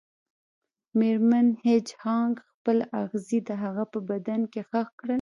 میرمن هیج هاګ خپل اغزي د هغه په بدن کې ښخ کړل